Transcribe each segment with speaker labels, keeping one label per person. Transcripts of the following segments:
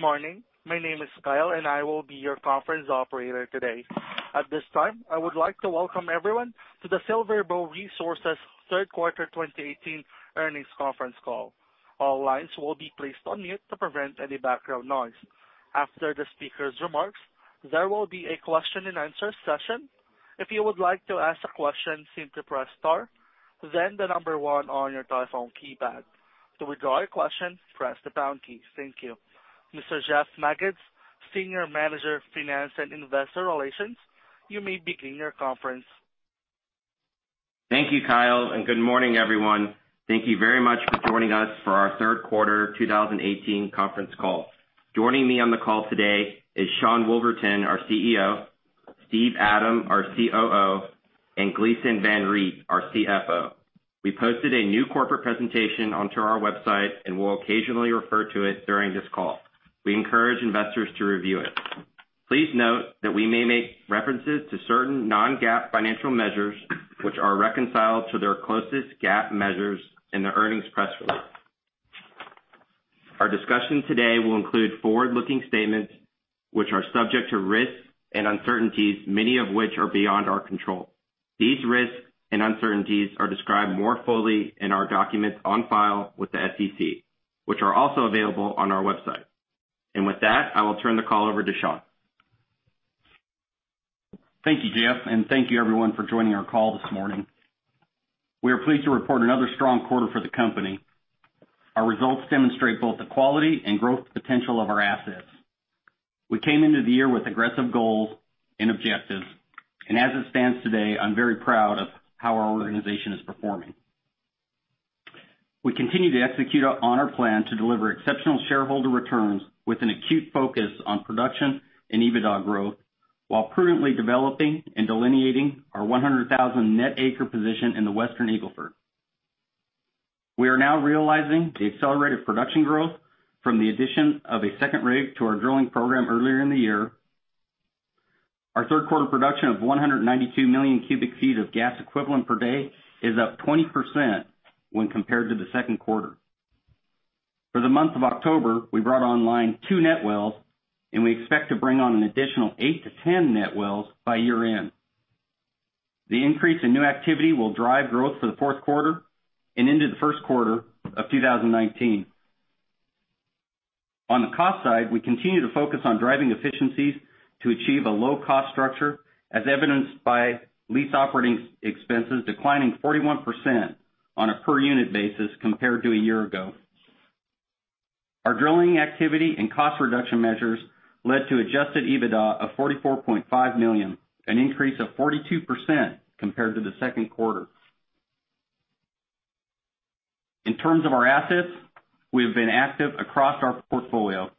Speaker 1: Good morning. My name is Kyle, and I will be your conference operator today. At this time, I would like to welcome everyone to the SilverBow Resources third quarter 2018 earnings conference call. All lines will be placed on mute to prevent any background noise. After the speaker's remarks, there will be a question and answer session. If you would like to ask a question, simply press star then the number one on your telephone keypad. To withdraw your question, press the pound key. Thank you. Mr. Jeff Magids, Senior Manager of Finance and Investor Relations, you may begin your conference.
Speaker 2: Thank you, Kyle, and good morning, everyone. Thank you very much for joining us for our third quarter 2018 conference call. Joining me on the call today is Sean Woolverton, our CEO, Steve Adam, our COO, and Gleeson Van Riet, our CFO. We posted a new corporate presentation onto our website and will occasionally refer to it during this call. We encourage investors to review it. Please note that we may make references to certain non-GAAP financial measures which are reconciled to their closest GAAP measures in the earnings press release. Our discussion today will include forward-looking statements which are subject to risks and uncertainties, many of which are beyond our control. These risks and uncertainties are described more fully in our documents on file with the SEC, which are also available on our website. With that, I will turn the call over to Sean.
Speaker 3: Thank you, Jeff, and thank you everyone for joining our call this morning. We are pleased to report another strong quarter for the company. Our results demonstrate both the quality and growth potential of our assets. We came into the year with aggressive goals and objectives, and as it stands today, I'm very proud of how our organization is performing. We continue to execute on our plan to deliver exceptional shareholder returns with an acute focus on production and EBITDA growth while prudently developing and delineating our 100,000 net acre position in the Western Eagle Ford. We are now realizing the accelerated production growth from the addition of a second rig to our drilling program earlier in the year. Our third quarter production of 192 million cubic feet of gas equivalent per day is up 20% when compared to the second quarter. For the month of October, we brought online two net wells, and we expect to bring on an additional 8-10 net wells by year-end. The increase in new activity will drive growth for the fourth quarter and into the first quarter of 2019. On the cost side, we continue to focus on driving efficiencies to achieve a low-cost structure, as evidenced by lease operating expenses declining 41% on a per-unit basis compared to a year ago. Our drilling activity and cost reduction measures led to adjusted EBITDA of $44.5 million, an increase of 42% compared to the second quarter. In terms of our assets, we have been active across our portfolio.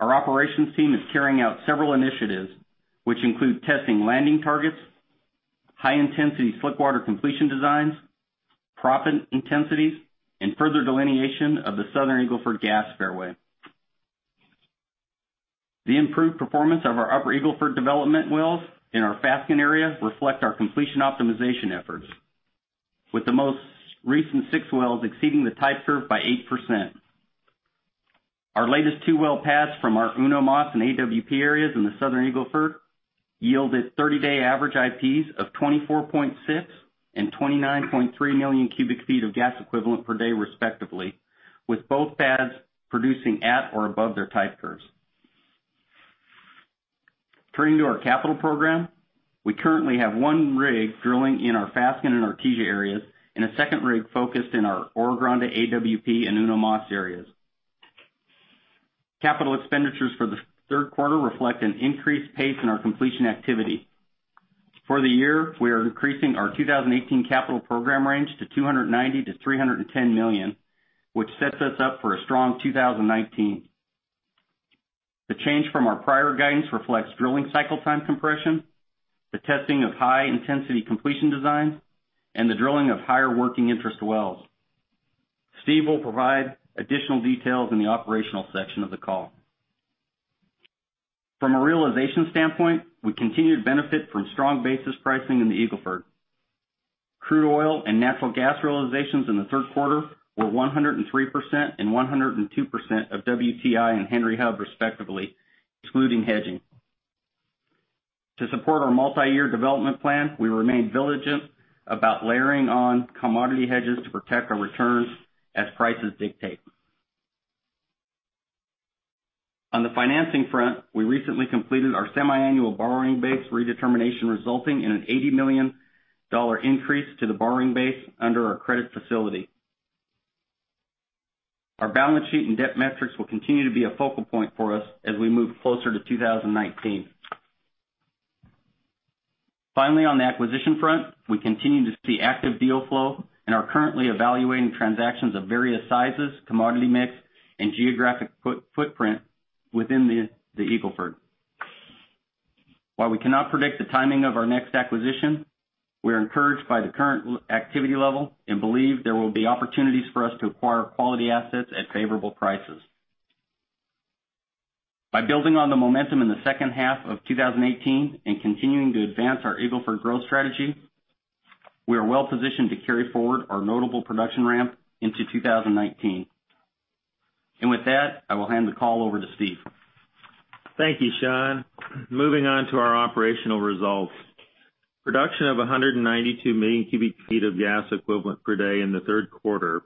Speaker 3: Our operations team is carrying out several initiatives, which include testing landing targets, high-intensity slickwater completion designs, proppant intensities, and further delineation of the Southern Eagle Ford Gas Fairway. The improved performance of our Upper Eagle Ford development wells in our Fasken area reflect our completion optimization efforts, with the most recent six wells exceeding the type curve by 8%. Our latest two-well pads from our Uno Mas and AWP areas in the Southern Eagle Ford yielded 30-day average IPs of 24.6 and 29.3 million cubic feet of gas equivalent per day respectively, with both pads producing at or above their type curves. Turning to our capital program, we currently have one rig drilling in our Fasken and Artesia areas and a second rig focused in our Oro Grande, AWP, and Uno Mas areas. Capital expenditures for the third quarter reflect an increased pace in our completion activity. For the year, we are increasing our 2018 capital program range to $290 million-$310 million, which sets us up for a strong 2019. The change from our prior guidance reflects drilling cycle time compression, the testing of high-intensity completion designs, and the drilling of higher working interest wells. Steve will provide additional details in the operational section of the call. From a realization standpoint, we continue to benefit from strong basis pricing in the Eagle Ford. Crude oil and natural gas realizations in the third quarter were 103% and 102% of WTI and Henry Hub, respectively, excluding hedging. To support our multi-year development plan, we remain diligent about layering on commodity hedges to protect our returns as prices dictate. On the financing front, we recently completed our semi-annual borrowing base redetermination, resulting in an $80 million increase to the borrowing base under our credit facility. Our balance sheet and debt metrics will continue to be a focal point for us as we move closer to 2019. Finally, on the acquisition front, we continue to see active deal flow and are currently evaluating transactions of various sizes, commodity mix, and geographic footprint within the Eagle Ford. While we cannot predict the timing of our next acquisition, we are encouraged by the current activity level and believe there will be opportunities for us to acquire quality assets at favorable prices. By building on the momentum in the second half of 2018 and continuing to advance our Eagle Ford growth strategy. We are well-positioned to carry forward our notable production ramp into 2019. With that, I will hand the call over to Steve.
Speaker 4: Thank you, Sean. Moving on to our operational results. Production of 192 million cubic feet of gas equivalent per day in the third quarter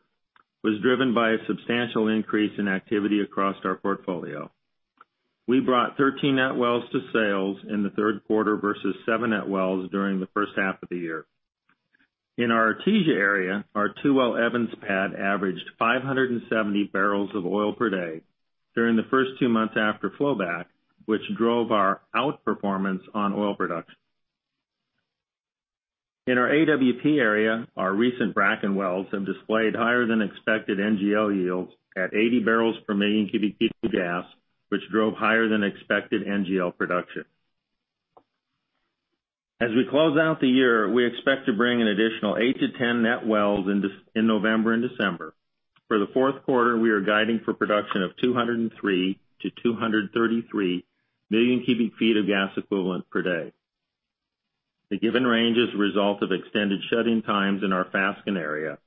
Speaker 4: was driven by a substantial increase in activity across our portfolio. We brought 13 net wells to sales in the third quarter versus seven net wells during the first half of the year. In our Artesia area, our two-well Evans pad averaged 570 barrels of oil per day during the first two months after flowback, which drove our outperformance on oil production. In our AWP area, our recent Bracken wells have displayed higher than expected NGL yields at 80 barrels per million cubic feet of gas, which drove higher than expected NGL production. As we close out the year, we expect to bring an additional 8-10 net wells in November and December. For the fourth quarter, we are guiding for production of 203 million -233 million cubic feet of gas equivalent per day. The given range is a result of extended shut-in times in our Fasken area,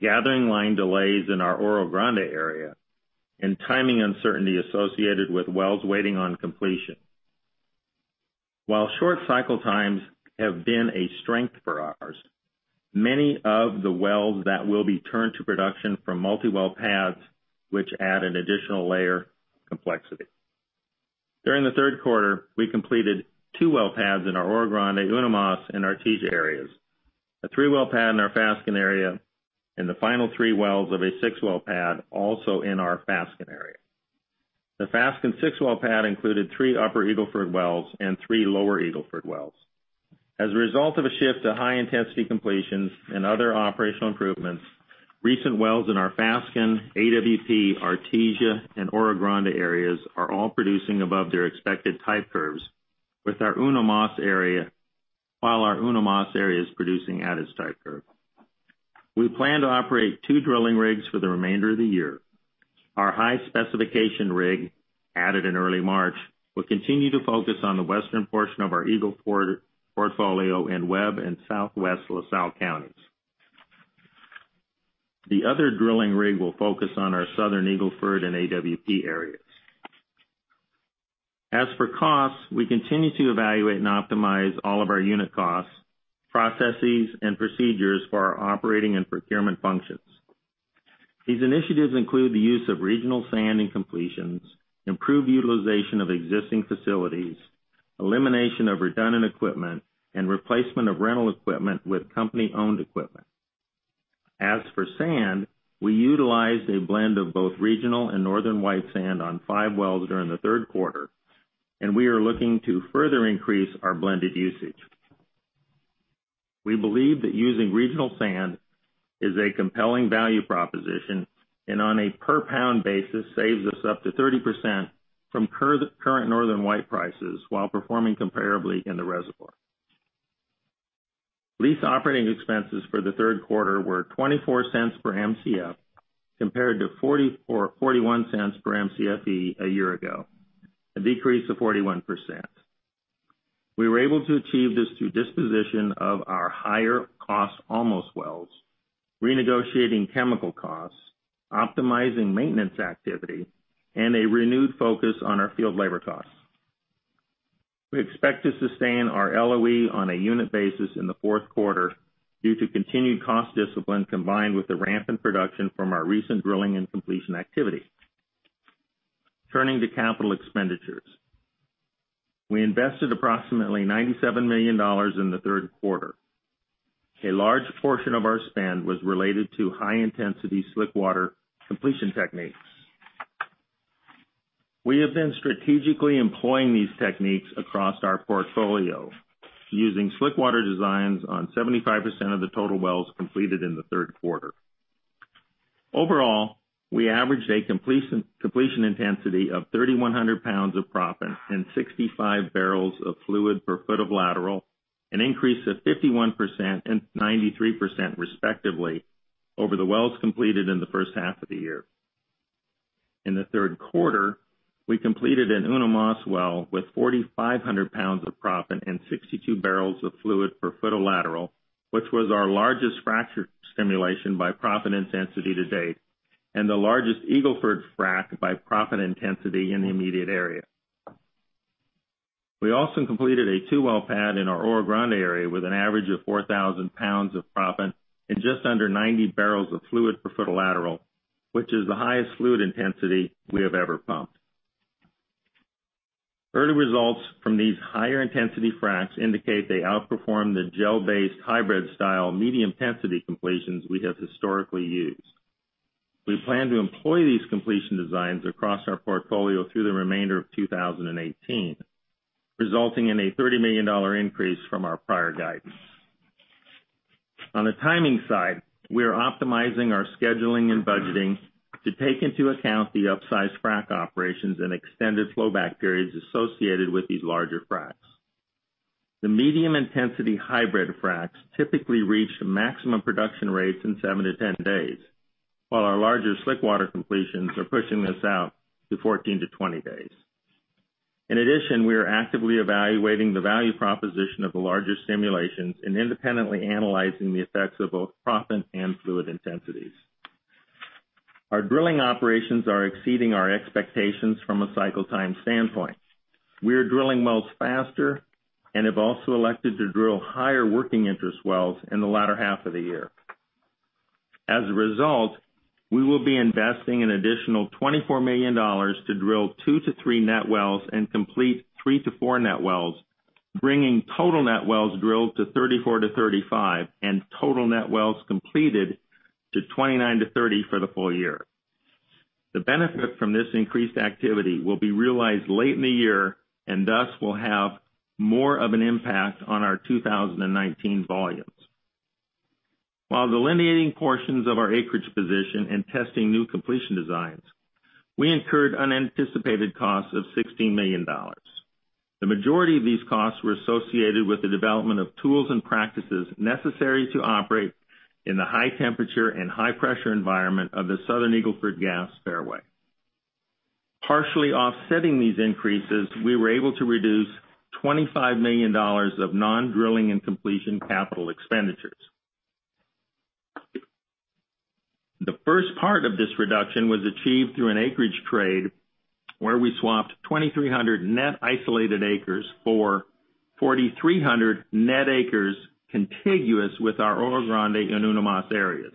Speaker 4: gathering line delays in our Oro Grande area, and timing uncertainty associated with wells waiting on completion. While short cycle times have been a strength for ours, many of the wells that will be turned to production from multi-well pads, which add an additional layer of complexity. During the third quarter, we completed two well pads in our Oro Grande, Uno Mas, and Artesia areas, a three-well pad in our Fasken area, and the final three wells of a six-well pad also in our Fasken area. The Fasken six-well pad included three Upper Eagle Ford wells and three Lower Eagle Ford wells. As a result of a shift to high-intensity completions and other operational improvements, recent wells in our Fasken, AWP, Artesia, and Oro Grande areas are all producing above their expected type curves, while our Uno Mas area is producing at its type curve. We plan to operate two drilling rigs for the remainder of the year. Our high-specification rig, added in early March, will continue to focus on the western portion of our Eagle Ford portfolio in Webb and southwest La Salle counties. The other drilling rig will focus on our southern Eagle Ford and AWP areas. As for costs, we continue to evaluate and optimize all of our unit costs, processes, and procedures for our operating and procurement functions. These initiatives include the use of regional sand in completions, improved utilization of existing facilities, elimination of redundant equipment, and replacement of rental equipment with company-owned equipment. As for sand, we utilized a blend of both regional and northern white sand on five wells during the third quarter, and we are looking to further increase our blended usage. We believe that using regional sand is a compelling value proposition, and on a per-pound basis, saves us up to 30% from current northern white prices while performing comparably in the reservoir. Lease operating expenses for the third quarter were $0.24 per Mcf compared to $0.41 per Mcfe a year ago, a decrease of 41%. We were able to achieve this through disposition of our higher-cost Olmos wells, renegotiating chemical costs, optimizing maintenance activity, and a renewed focus on our field labor costs. We expect to sustain our LOE on a unit basis in the fourth quarter due to continued cost discipline combined with the ramp in production from our recent drilling and completion activity. Turning to capital expenditures. We invested approximately $97 million in the third quarter. A large portion of our spend was related to high-intensity slickwater completion techniques. We have been strategically employing these techniques across our portfolio, using slickwater designs on 75% of the total wells completed in the third quarter. Overall, we averaged a completion intensity of 3,100 pounds of proppant and 65 barrels of fluid per foot of lateral, an increase of 51% and 93% respectively over the wells completed in the first half of the year. In the third quarter, we completed an Uno Mas well with 4,500 pounds of proppant and 62 barrels of fluid per foot of lateral, which was our largest fracture stimulation by proppant intensity to date and the largest Eagle Ford frack by proppant intensity in the immediate area. We also completed a two-well pad in our Oro Grande area with an average of 4,000 pounds of proppant and just under 90 barrels of fluid per foot of lateral, which is the highest fluid intensity we have ever pumped. Early results from these higher-intensity fracs indicate they outperform the gel-based hybrid style medium-intensity completions we have historically used. We plan to employ these completion designs across our portfolio through the remainder of 2018, resulting in a $30 million increase from our prior guidance. On the timing side, we are optimizing our scheduling and budgeting to take into account the upsized frac operations and extended flowback periods associated with these larger fracs. The medium-intensity hybrid fracs typically reach maximum production rates in 7-10 days, while our larger slickwater completions are pushing this out to 14-20 days. In addition, we are actively evaluating the value proposition of the larger simulations and independently analyzing the effects of both proppant and fluid intensities. Our drilling operations are exceeding our expectations from a cycle time standpoint. We are drilling wells faster and have also elected to drill higher working interest wells in the latter half of the year. As a result, we will be investing an additional $24 million to drill two to three net wells and complete three to four net wells, bringing total net wells drilled to 34-35 and total net wells completed to 29-30 for the full year. The benefit from this increased activity will be realized late in the year, and thus will have more of an impact on our 2019 volumes. While delineating portions of our acreage position and testing new completion designs, we incurred unanticipated costs of $16 million. The majority of these costs were associated with the development of tools and practices necessary to operate in the high-temperature and high-pressure environment of the Southern Eagle Ford gas fairway. Partially offsetting these increases, we were able to reduce $25 million of non-drilling and completion capital expenditures. The first part of this reduction was achieved through an acreage trade, where we swapped 2,300 net isolated acres for 4,300 net acres contiguous with our Oro Grande and Uno Mas areas.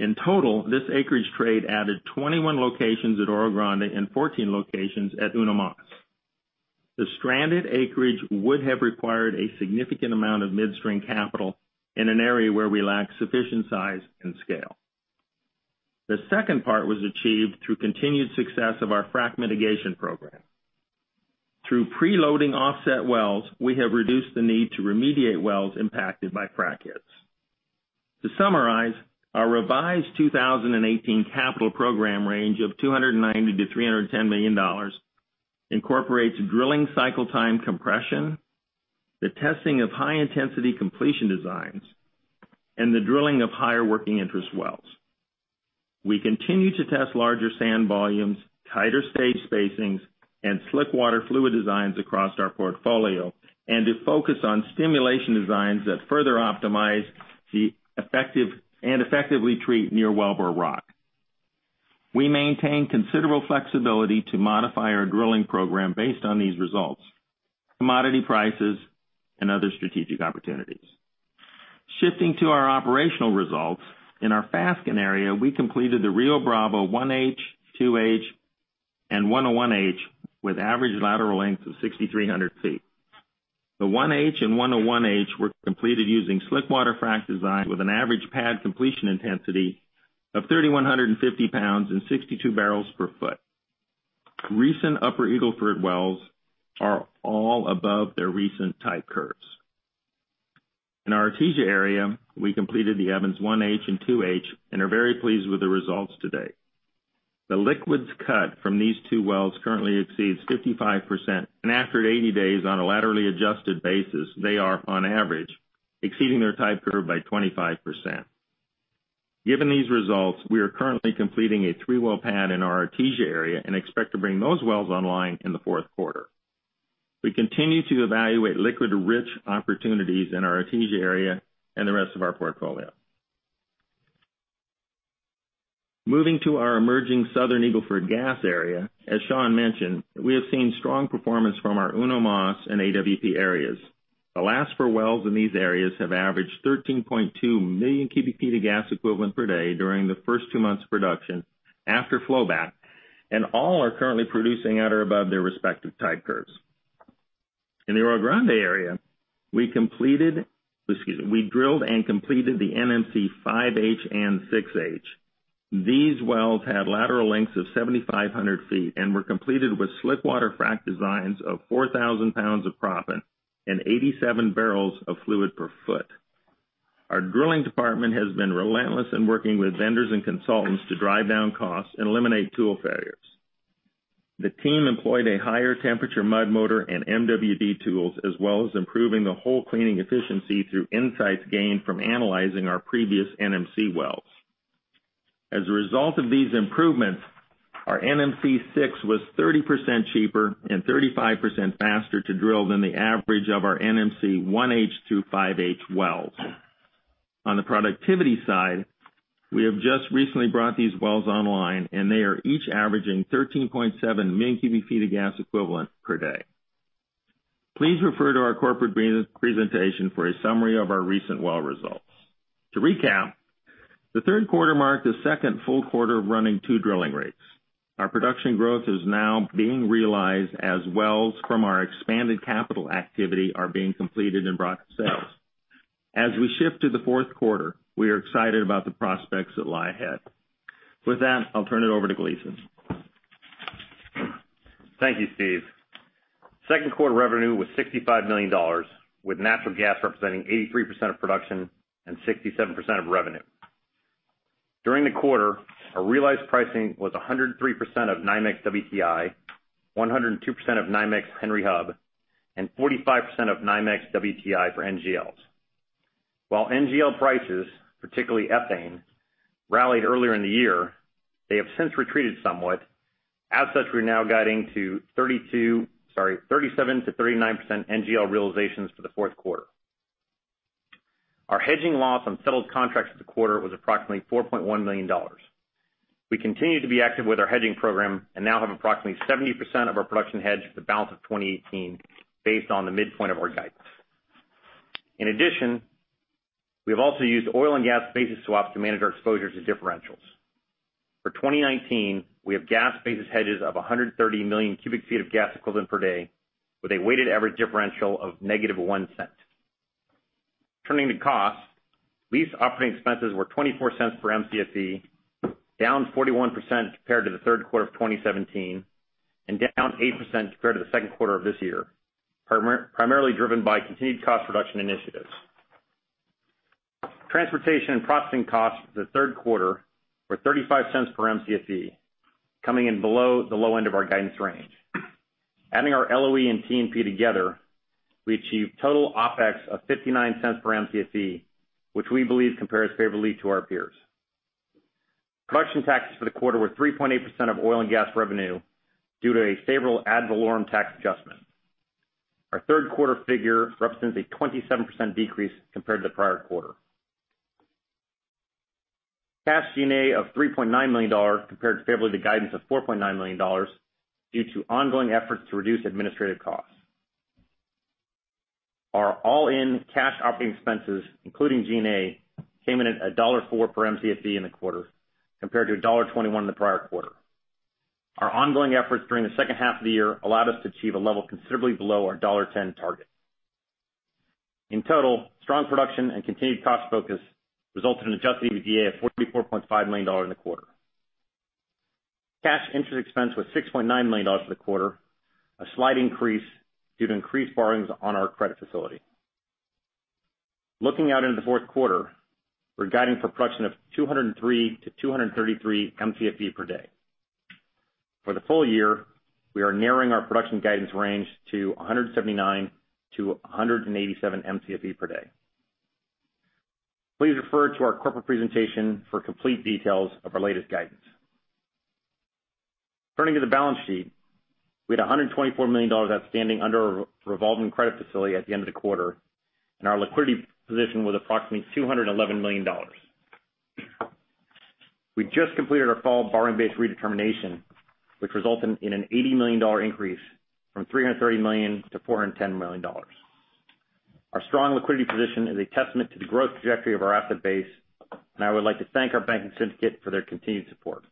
Speaker 4: In total, this acreage trade added 21 locations at Oro Grande and 14 locations at Uno Mas. The stranded acreage would have required a significant amount of midstream capital in an area where we lack sufficient size and scale. The second part was achieved through continued success of our frac mitigation program. Through pre-loading offset wells, we have reduced the need to remediate wells impacted by frac hits. To summarize, our revised 2018 capital program range of $290 million-$310 million incorporates drilling cycle time compression, the testing of high-intensity completion designs, and the drilling of higher working interest wells. We continue to test larger sand volumes, tighter stage spacings, and slickwater fluid designs across our portfolio, and to focus on stimulation designs that further optimize and effectively treat near wellbore rock. We maintain considerable flexibility to modify our drilling program based on these results, commodity prices, and other strategic opportunities. Shifting to our operational results, in our Fasken area, we completed the Rio Bravo 1H, 2H, and 101H with average lateral lengths of 6,300 feet. The 1H and 101H were completed using slickwater frac design with an average pad completion intensity of 3,150 pounds and 62 barrels per foot. Recent Upper Eagle Ford wells are all above their recent type curves. In our Artesia area, we completed the Evans 1H and 2H and are very pleased with the results to date. The liquids cut from these two wells currently exceeds 55%, and after 80 days on a laterally adjusted basis, they are on average exceeding their type curve by 25%. Given these results, we are currently completing a three-well pad in our Artesia area and expect to bring those wells online in the fourth quarter. We continue to evaluate liquid-rich opportunities in our Artesia area and the rest of our portfolio. Moving to our emerging Southern Eagle Ford gas area, as Sean mentioned, we have seen strong performance from our Uno Mas and AWP areas. The last four wells in these areas have averaged 13.2 million cubic feet of gas equivalent per day during the first two months of production after flowback, and all are currently producing at or above their respective type curves. In the Oro Grande area, we drilled and completed the NMC 5H and 6H. These wells had lateral lengths of 7,500 feet and were completed with slickwater frac designs of 4,000 pounds of proppant and 87 barrels of fluid per foot. Our drilling department has been relentless in working with vendors and consultants to drive down costs and eliminate tool failures. The team employed a higher temperature mud motor and MWD tools, as well as improving the hole cleaning efficiency through insights gained from analyzing our previous NMC wells. As a result of these improvements, our NMC 6 was 30% cheaper and 35% faster to drill than the average of our NMC 1H to 5H wells. On the productivity side, we have just recently brought these wells online, and they are each averaging 13.7 million cubic feet of gas equivalent per day. Please refer to our corporate presentation for a summary of our recent well results. To recap, the third quarter marked the two full quarters of running two drilling rigs. Our production growth is now being realized as wells from our expanded capital activity are being completed and brought to sales. As we shift to the fourth quarter, we are excited about the prospects that lie ahead. With that, I'll turn it over to Gleeson.
Speaker 5: Thank you, Steve. Second quarter revenue was $65 million, with natural gas representing 83% of production and 67% of revenue. During the quarter, our realized pricing was 103% of NYMEX WTI, 102% of NYMEX Henry Hub, and 45% of NYMEX WTI for NGLs. NGL prices, particularly ethane, rallied earlier in the year, they have since retreated somewhat. As such, we're now guiding to 37%-39% NGL realizations for the fourth quarter. Our hedging loss on settled contracts for the quarter was approximately $4.1 million. We continue to be active with our hedging program and now have approximately 70% of our production hedged for the balance of 2018, based on the midpoint of our guidance. In addition, we have also used oil and gas basis swaps to manage our exposures to differentials. For 2019, we have gas basis hedges of 130 million cubic feet of gas equivalent per day with a weighted average differential of -$0.01. Turning to costs, lease operating expenses were $0.24 per Mcfe, down 41% compared to the third quarter of 2017, and down 8% compared to the second quarter of this year, primarily driven by continued cost reduction initiatives. Transportation and processing costs for the third quarter were $0.35 per Mcfe, coming in below the low end of our guidance range. Adding our LOE and T&P together, we achieved total OpEx of $0.59 per Mcfe, which we believe compares favorably to our peers. Production taxes for the quarter were 3.8% of oil and gas revenue due to a favorable ad valorem tax adjustment. Our third quarter figure represents a 27% decrease compared to the prior quarter. Cash G&A of $3.9 million compared favorably to guidance of $4.9 million due to ongoing efforts to reduce administrative costs. Our all-in cash operating expenses, including G&A, came in at $1.04 per Mcfe in the quarter, compared to $1.21 in the prior quarter. Our ongoing efforts during the second half of the year allowed us to achieve a level considerably below our $1.10 target. In total, strong production and continued cost focus resulted in adjusted EBITDA of $44.5 million in the quarter. Cash interest expense was $6.9 million for the quarter, a slight increase due to increased borrowings on our credit facility. Looking out into the fourth quarter, we're guiding for production of 203-233 Mcfe per day. For the full year, we are narrowing our production guidance range to 179-187 Mcfe per day. Please refer to our corporate presentation for complete details of our latest guidance. Turning to the balance sheet, we had $124 million outstanding under our revolving credit facility at the end of the quarter, and our liquidity position was approximately $211 million. We just completed our fall borrowing base redetermination, which resulted in an $80 million increase from $330 million to $410 million. Our strong liquidity position is a testament to the growth trajectory of our asset base. I would like to thank our banking syndicate for their continued support.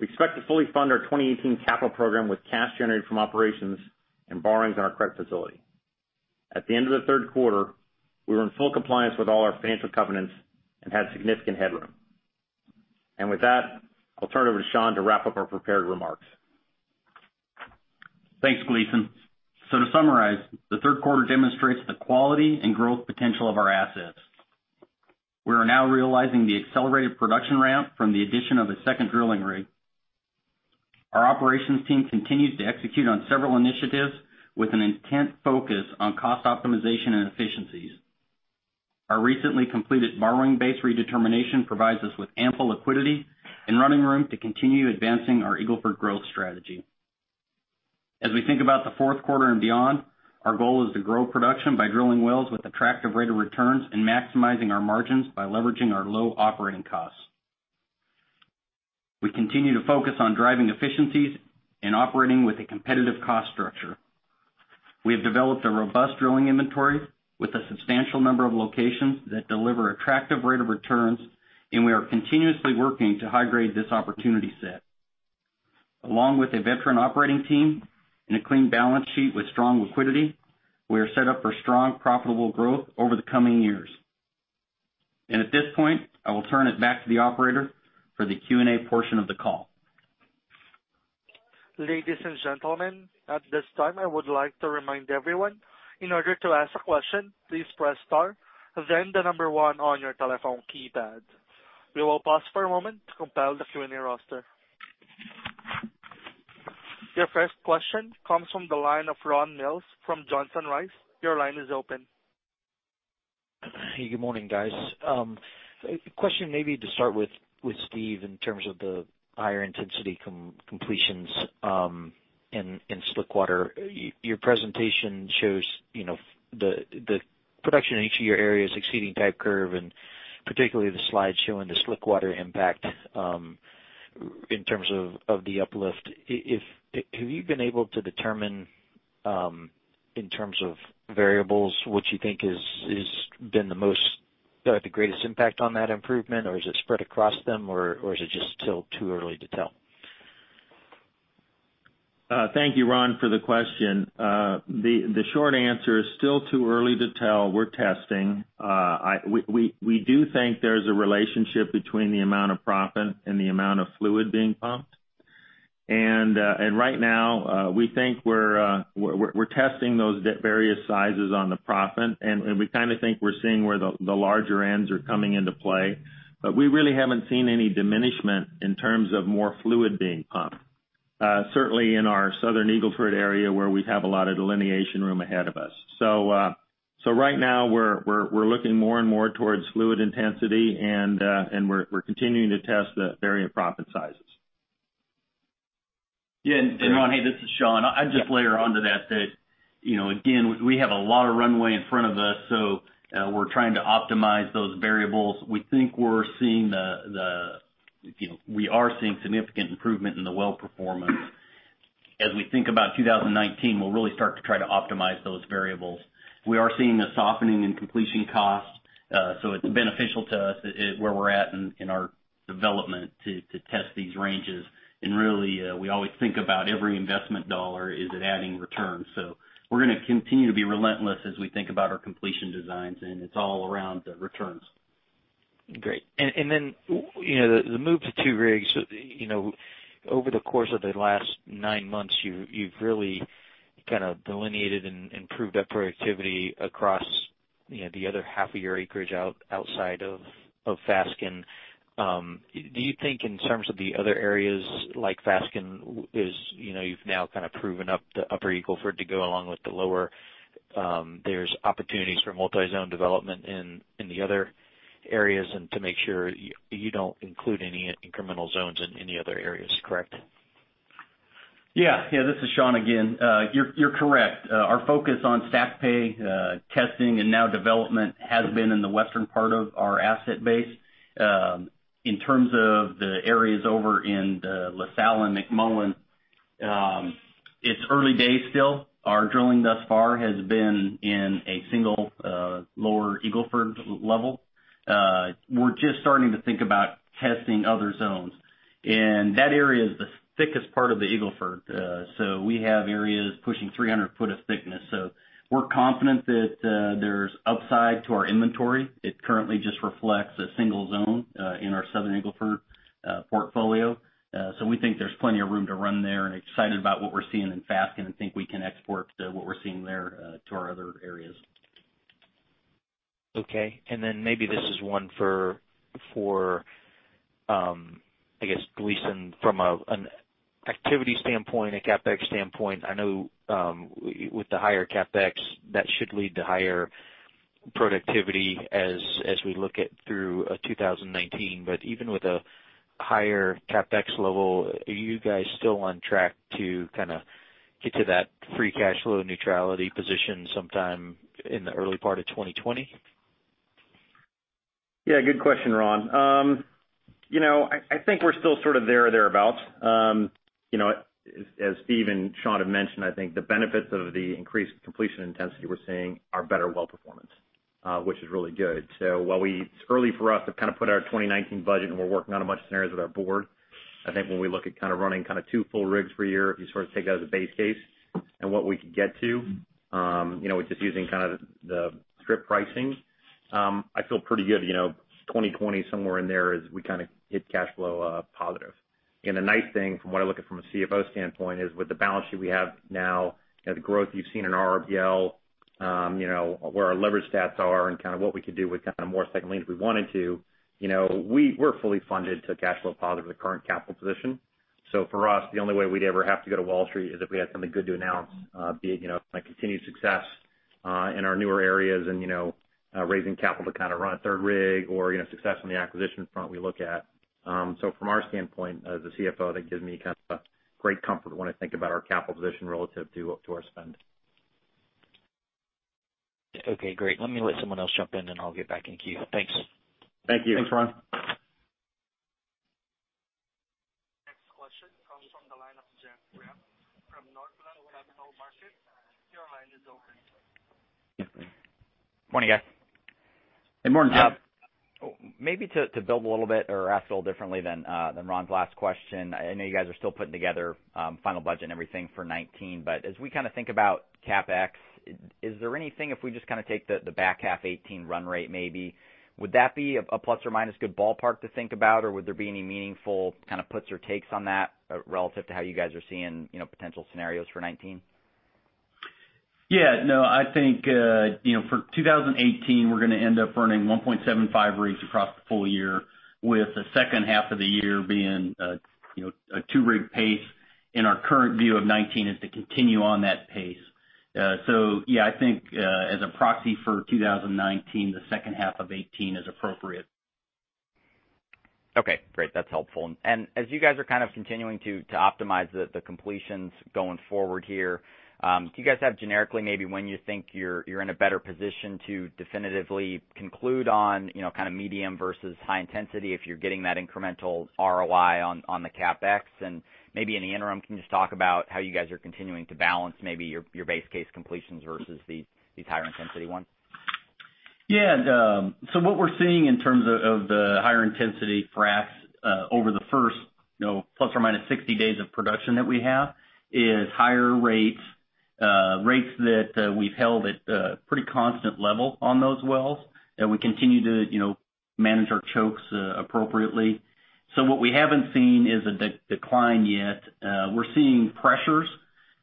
Speaker 5: We expect to fully fund our 2018 capital program with cash generated from operations and borrowings on our credit facility. At the end of the third quarter, we were in full compliance with all our financial covenants and had significant headroom. With that, I'll turn it over to Sean to wrap up our prepared remarks.
Speaker 3: Thanks, Gleeson. To summarize, the third quarter demonstrates the quality and growth potential of our assets. We are now realizing the accelerated production ramp from the addition of a second drilling rig. Our operations team continues to execute on several initiatives with an intense focus on cost optimization and efficiencies. Our recently completed borrowing base redetermination provides us with ample liquidity and running room to continue advancing our Eagle Ford growth strategy. As we think about the fourth quarter and beyond, our goal is to grow production by drilling wells with attractive rate of returns and maximizing our margins by leveraging our low operating costs. We continue to focus on driving efficiencies and operating with a competitive cost structure. We have developed a robust drilling inventory with a substantial number of locations that deliver attractive rate of returns. We are continuously working to high-grade this opportunity set. Along with a veteran operating team and a clean balance sheet with strong liquidity, we are set up for strong, profitable growth over the coming years. At this point, I will turn it back to the operator for the Q&A portion of the call.
Speaker 1: Ladies and gentlemen, at this time, I would like to remind everyone, in order to ask a question, please press star, then the number one on your telephone keypad. We will pause for a moment to compile the Q&A roster. Your first question comes from the line of Ron Mills from Johnson Rice. Your line is open.
Speaker 6: Good morning, guys. A question maybe to start with Steve in terms of the higher intensity completions in slickwater. Your presentation shows the production in each of your areas exceeding type curve, and particularly the slide showing the slickwater impact in terms of the uplift. Have you been able to determine, in terms of variables, what you think has had the greatest impact on that improvement? Or is it spread across them? Or is it just still too early to tell?
Speaker 4: Thank you, Ron, for the question. The short answer is still too early to tell. We're testing. We do think there's a relationship between the amount of proppant and the amount of fluid being pumped. Right now, we're testing those various sizes on the proppant, and we think we're seeing where the larger ends are coming into play. We really haven't seen any diminishment in terms of more fluid being pumped. Certainly in our Southern Eagle Ford area where we have a lot of delineation room ahead of us. Right now, we're looking more and more towards fluid intensity, and we're continuing to test the varying proppant sizes.
Speaker 3: Yeah. Ron, hey, this is Sean. I'd just layer onto that again, we have a lot of runway in front of us, so we're trying to optimize those variables. We are seeing significant improvement in the well performance. As we think about 2019, we'll really start to try to optimize those variables. We are seeing a softening in completion costs, so it's beneficial to us at where we're at in our development to test these ranges. Really, we always think about every investment dollar, is it adding return? We're going to continue to be relentless as we think about our completion designs, and it's all around the returns.
Speaker 6: Great. The move to two rigs. Over the course of the last nine months, you've really delineated and improved that productivity across the other half of your acreage outside of Fasken. Do you think in terms of the other areas like Fasken is, you've now proven up the Upper Eagle Ford to go along with the Lower, there's opportunities for multi-zone development in the other areas and to make sure you don't include any incremental zones in any other areas, correct?
Speaker 3: Yeah. This is Sean again. You're correct. Our focus on stack pay testing and now development has been in the Western part of our asset base. In terms of the areas over in the La Salle and McMullen, it's early days still. Our drilling thus far has been in a single Lower Eagle Ford level. We're just starting to think about testing other zones. That area is the thickest part of the Eagle Ford, so we have areas pushing 300 foot of thickness. We're confident that there's upside to our inventory. It currently just reflects a single zone in our Southern Eagle Ford portfolio. We think there's plenty of room to run there and excited about what we're seeing in Fasken, and think we can export what we're seeing there to our other areas.
Speaker 6: Okay. Maybe this is one for, I guess, Gleeson from an activity standpoint, a CapEx standpoint. I know with the higher CapEx, that should lead to higher productivity as we look at through 2019. Even with a higher CapEx level, are you guys still on track to get to that free cash flow neutrality position sometime in the early part of 2020?
Speaker 5: Yeah, good question, Ron. I think we're still sort of there or thereabout. As Steve and Sean have mentioned, I think the benefits of the increased completion intensity we're seeing are better well performance, which is really good. While it's early for us to put our 2019 budget, and we're working on a bunch of scenarios with our board, I think when we look at running two full rigs per year, if you take that as a base case and what we could get to, with just using the strip pricing, I feel pretty good. 2020, somewhere in there is we hit cash flow positive. The nice thing from what I look at from a CFO standpoint is with the balance sheet we have now, the growth you've seen in our BL, where our leverage stats are and what we could do with more second liens if we wanted to, we're fully funded to cash flow positive with the current capital position. For us, the only way we'd ever have to go to Wall Street is if we had something good to announce, be it continued success in our newer areas and raising capital to run a third rig or success on the acquisition front we look at. From our standpoint as a CFO, that gives me great comfort when I think about our capital position relative to our spend.
Speaker 6: Okay, great. Let me let someone else jump in, then I'll get back in queue. Thanks.
Speaker 5: Thank you.
Speaker 4: Thanks, Ron.
Speaker 1: Next question comes from the line of Jeff Grubb from Northland Capital Markets. Your line is open.
Speaker 7: Morning, guys.
Speaker 4: Hey, morning.
Speaker 7: Maybe to build a little bit or ask a little differently than Ron's last question. I know you guys are still putting together final budget and everything for 2019, but as we think about CapEx, is there anything, if we just take the back half 2018 run rate maybe, would that be a plus or minus good ballpark to think about? Would there be any meaningful puts or takes on that relative to how you guys are seeing potential scenarios for 2019?
Speaker 3: No, I think, for 2018, we're going to end up running 1.75 rigs across the full year with the second half of the year being a two-rig pace. Our current view of 2019 is to continue on that pace. I think, as a proxy for 2019, the second half of 2018 is appropriate.
Speaker 7: Okay, great. That's helpful. As you guys are continuing to optimize the completions going forward here, do you guys have generically maybe when you think you're in a better position to definitively conclude on medium versus high intensity if you're getting that incremental ROI on the CapEx? Maybe in the interim, can you just talk about how you guys are continuing to balance maybe your base case completions versus these higher intensity ones?
Speaker 3: What we're seeing in terms of the higher intensity fracs over the first plus or minus 60 days of production that we have is higher rates. Rates that we've held at a pretty constant level on those wells, we continue to manage our chokes appropriately. What we haven't seen is a decline yet. We're seeing pressures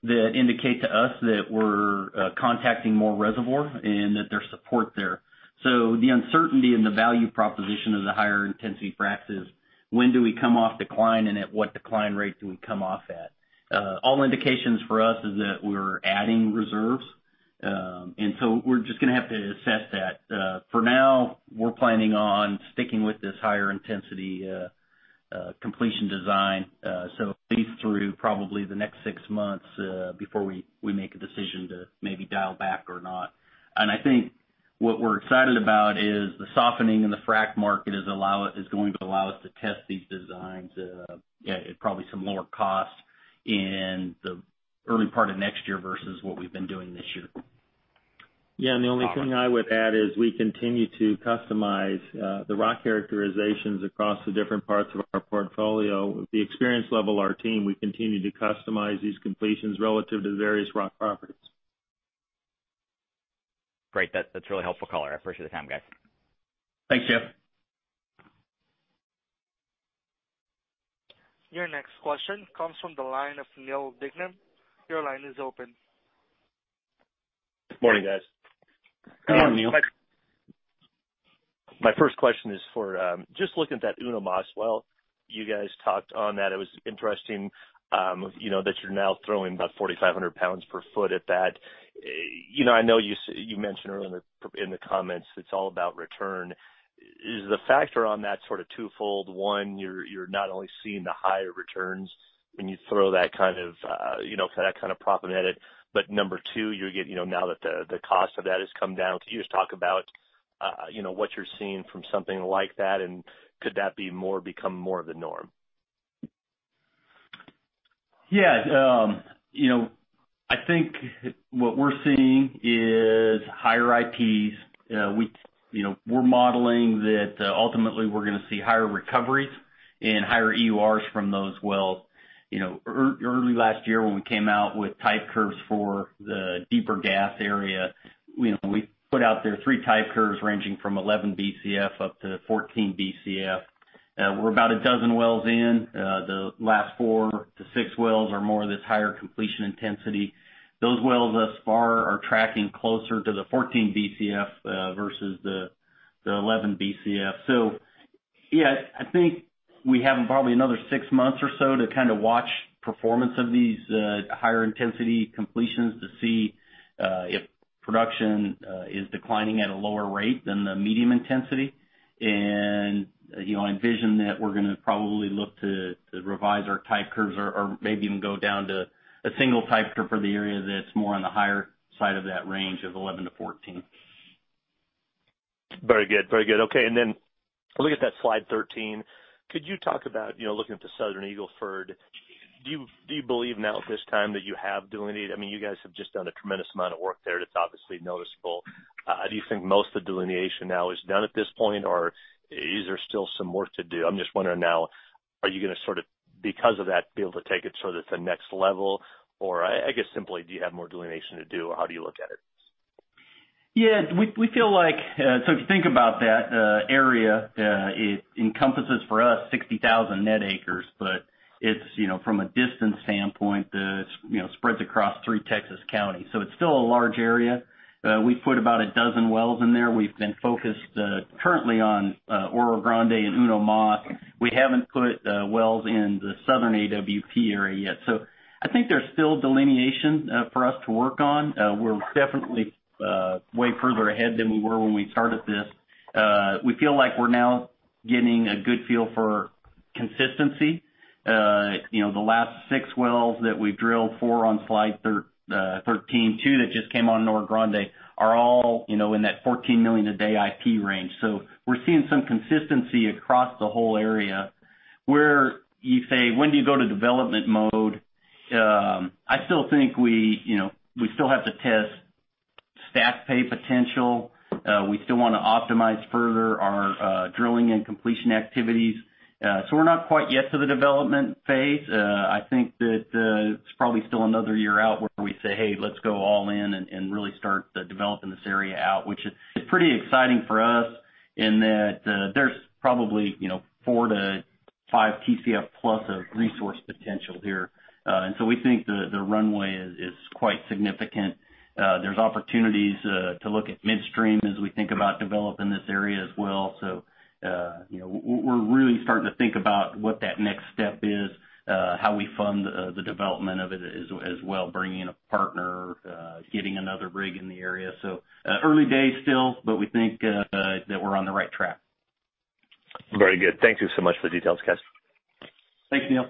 Speaker 3: that indicate to us that we're contacting more reservoir and that there's support there. The uncertainty in the value proposition of the higher intensity fracs is when do we come off decline and at what decline rate do we come off at? All indications for us is that we're adding reserves. We're just going to have to assess that. For now, we're planning on sticking with this higher intensity completion design, so at least through probably the next six months, before we make a decision to maybe dial back or not. I think what we're excited about is the softening in the frac market is going to allow us to test these designs at probably some lower costs in the early part of next year versus what we've been doing this year.
Speaker 4: Yeah. The only thing I would add is we continue to customize the rock characterizations across the different parts of our portfolio. With the experience level of our team, we continue to customize these completions relative to various rock properties.
Speaker 7: Great. That's really helpful color. I appreciate the time, guys.
Speaker 3: Thanks, Jeff.
Speaker 1: Your next question comes from the line of Neal Dingmann. Your line is open.
Speaker 8: Morning, guys.
Speaker 3: Good morning, Neal.
Speaker 8: My first question is for, just looking at that Uno Mas well, you guys talked on that. It was interesting that you're now throwing about 4,500 pounds per foot at that. I know you mentioned earlier in the comments, it's all about return. Is the factor on that sort of twofold? One, you're not only seeing the higher returns when you throw that kind of proppant at it, but number two, now that the cost of that has come down. Can you just talk about what you're seeing from something like that, and could that become more of the norm?
Speaker 3: Yeah. I think what we're seeing is higher IPs. We're modeling that ultimately we're going to see higher recoveries and higher EURs from those wells. Early last year when we came out with type curves for the deeper gas area, we put out there three type curves ranging from 11 Bcf up to 14 Bcf. We're about a dozen wells in. The last four to six wells are more of this higher completion intensity. Those wells thus far are tracking closer to the 14 Bcf versus the 11 Bcf. Yeah, I think we have probably another six months or so to watch performance of these higher intensity completions to see if production is declining at a lower rate than the medium intensity. I envision that we're going to probably look to revise our type curves or maybe even go down to a single type curve for the area that's more on the higher side of that range of 11-14.
Speaker 8: Very good. Okay. Looking at that slide 13, could you talk about looking at the Southern Eagle Ford? Do you believe now at this time that you have delineated? You guys have just done a tremendous amount of work there that's obviously noticeable. Do you think most of the delineation now is done at this point, or is there still some work to do? I'm just wondering now, are you going to sort of, because of that, be able to take it to the next level, or I guess simply do you have more delineation to do, or how do you look at it?
Speaker 3: Yeah. If you think about that area, it encompasses for us 60,000 net acres, but from a distance standpoint, it spreads across three Texas counties. It's still a large area. We've put about a dozen wells in there. We've been focused currently on Oro Grande and Uno Mas. We haven't put wells in the southern AWP area yet. I think there's still delineation for us to work on. We're definitely way further ahead than we were when we started this. We feel like we're now getting a good feel for consistency. The last six wells that we've drilled, four on slide 13, two that just came on in Oro Grande, are all in that 14 million a day IP range. We're seeing some consistency across the whole area. Where you say, when do you go to development mode? I still think we still have to test stack pay potential. We still want to optimize further our drilling and completion activities. We're not quite yet to the development phase. I think that it's probably still another year out where we say, "Hey, let's go all in and really start developing this area out." Which is pretty exciting for us in that there's probably four to five Tcf plus of resource potential here. We think the runway is quite significant. There's opportunities to look at midstream as we think about developing this area as well. We're really starting to think about what that next step is, how we fund the development of it as well, bringing in a partner, getting another rig in the area. Early days still, but we think that we're on the right track.
Speaker 8: Very good. Thank you so much for the details, guys.
Speaker 3: Thanks, Neal.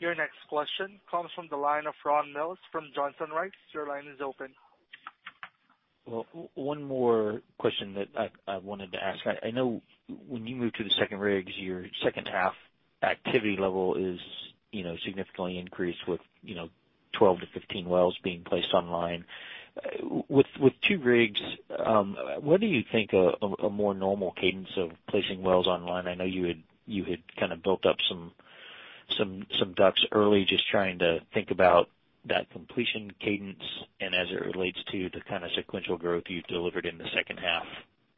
Speaker 1: Your next question comes from the line of Ron Mills from Johnson Rice. Your line is open.
Speaker 6: Well, one more question that I wanted to ask. I know when you move to the second rigs, your second half activity level is significantly increased with 12-15 wells being placed online. With two rigs, what do you think a more normal cadence of placing wells online? I know you had built up some DUCs early, just trying to think about that completion cadence and as it relates to the sequential growth you delivered in the second half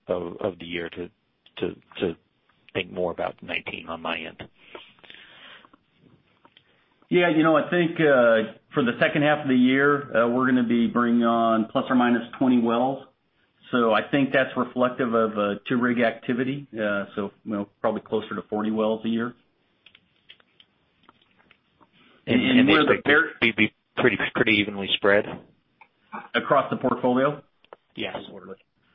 Speaker 6: of the year to think more about 2019 on my end.
Speaker 3: Yeah. I think for the second half of the year, we're going to be bringing on ±20 wells. I think that's reflective of two rig activity. Probably closer to 40 wells a year.
Speaker 6: They should be pretty evenly spread?
Speaker 3: Across the portfolio?
Speaker 6: Yes.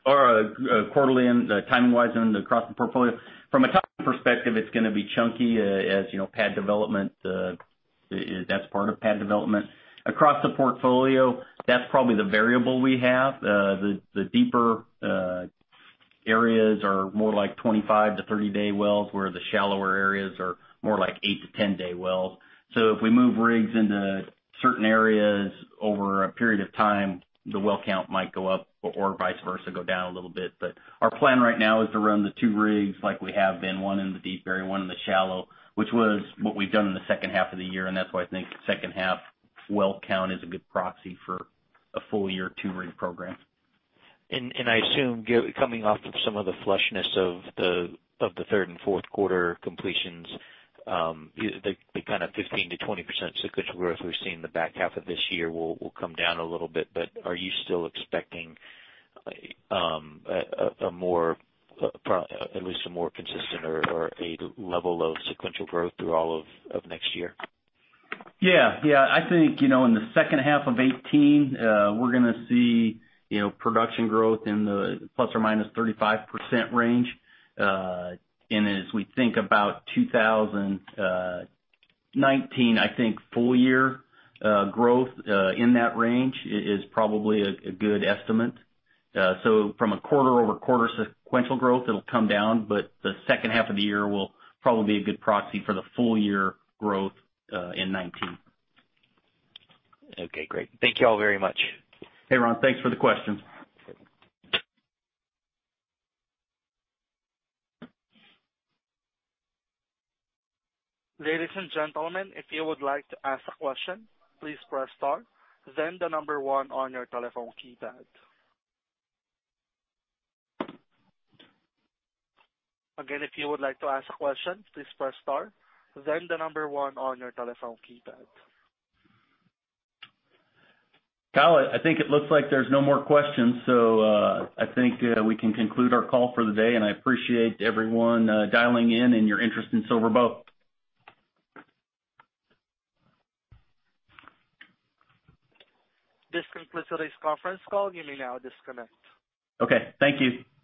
Speaker 3: Quarterly and time-wise and across the portfolio. From a timing perspective, it's going to be chunky, as that's part of pad development. Across the portfolio, that's probably the variable we have. The deeper areas are more like 25- to 30-day wells, where the shallower areas are more like eight- to 10-day wells. If we move rigs into certain areas over a period of time, the well count might go up or vice versa, go down a little bit. Our plan right now is to run the two rigs like we have been, one in the deep area, one in the shallow, which was what we've done in the second half of the year, and that's why I think second half well count is a good proxy for a full year two-rig program.
Speaker 6: I assume coming off of some of the flushness of the third and fourth quarter completions, the kind of 15%-20% sequential growth we've seen in the back half of this year will come down a little bit. Are you still expecting at least a more consistent or a level of sequential growth through all of next year?
Speaker 3: Yeah. I think, in the second half of 2018, we're going to see production growth in the ±35% range. As we think about 2019, I think full year growth in that range is probably a good estimate. From a quarter-over-quarter sequential growth, it'll come down, the second half of the year will probably be a good proxy for the full year growth in 2019.
Speaker 6: Okay, great. Thank you all very much.
Speaker 3: Hey, Ron, thanks for the question.
Speaker 1: Ladies and gentlemen, if you would like to ask a question, please press star, then the number one on your telephone keypad. Again, if you would like to ask a question, please press star, then the number one on your telephone keypad.
Speaker 3: Kyle, I think it looks like there's no more questions, so I think we can conclude our call for the day, and I appreciate everyone dialing in and your interest in SilverBow.
Speaker 1: This concludes today's conference call. You may now disconnect.
Speaker 3: Okay, thank you.